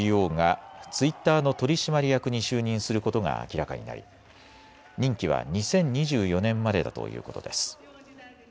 ＣＥＯがツイッターの取締役に就任することが明らかになり、任期は２０２４年までだということです。